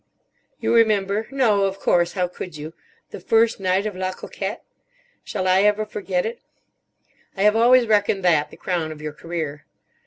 You remember—no, of course, how could you?—the first night of La Conquêtte. Shall I ever forget it! I have always reckoned that the crown of your career.